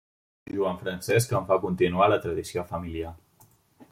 Joan Francesc en va continuar la tradició familiar.